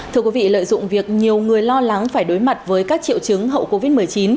thưa quý vị lợi dụng việc nhiều người lo lắng phải đối mặt với các triệu chứng hậu covid một mươi chín